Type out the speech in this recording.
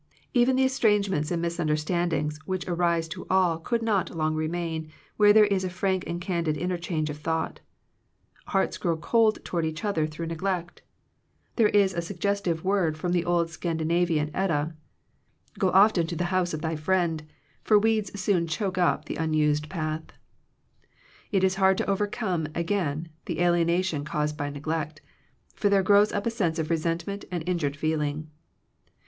Even the estrangements and misunder standings which will arise to all could not long remain, where there is a frank and candid interchange of thought Hearts grow cold toward each other through neglect There is a suggestive 146 Digitized by VjOOQIC THE WRECK OF FRIENDSHIP word from the old Scandinavian Edda^ "Go often to the house of thy friend; for weeds soon choke up the unused path." It is hard to overcome again the alienation caused by neglect; for there grows up a sense of resentment and in jured feeling.